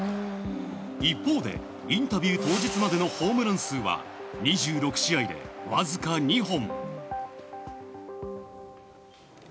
一方でインタビュー当日までのホームラン数は２６試合で、わずか２本。